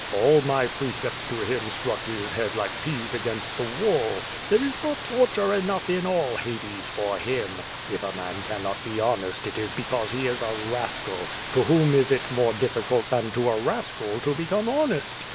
All my precepts to him struck his head like peas against the wall. There is not tor ture enough in all Hades for him. If a man cannot be hon est it is because he is a rascal. . To whom is it more difficult than to a rascal to become honest?